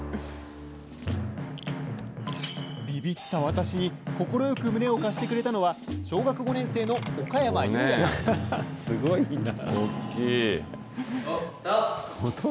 びびった私に、快く胸を貸してくれたのは、小学５年生の岡山裕弥さん。